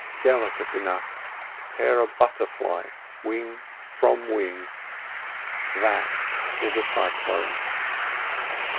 Delicate enough to tear a butterfly wing from wing—that is a cyclone.